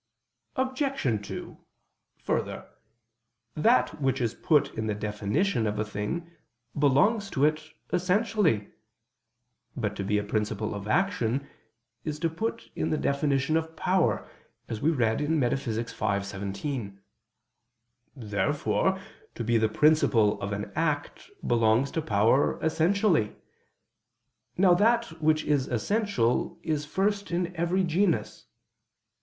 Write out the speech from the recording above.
Obj. 2: Further, that which is put in the definition of a thing, belongs to it essentially. But to be a principle of action, is put in the definition of power, as we read in Metaph. v, text. 17. Therefore to be the principle of an act belongs to power essentially. Now that which is essential is first in every genus.